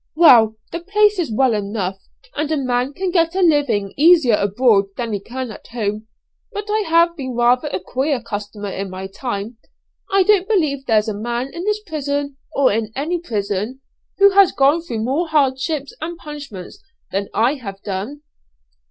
"Well, the place is well enough, and a man can get a living easier abroad than he can at home. But I have been rather a queer customer in my time. I don't believe there's a man in this prison, or in any prison, who has gone through more hardships and punishments than I have done."